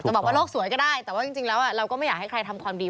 บอกว่าโลกสวยก็ได้แต่ว่าจริงแล้วเราก็ไม่อยากให้ใครทำความดี